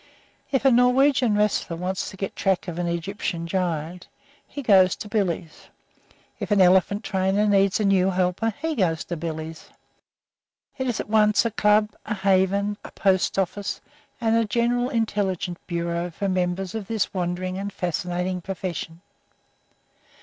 If a Norwegian wrestler wants to get track of an Egyptian giant he goes to "Billy's." If an elephant trainer needs a new helper he goes to "Billy's." It is at once a club, a haven, a post office, and a general intelligence bureau for members of this wandering and fascinating profession.